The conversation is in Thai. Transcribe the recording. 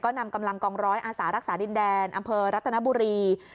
นำกำลังกองร้อยอาสารักษาดินแดนอำเภอรัตนบุรี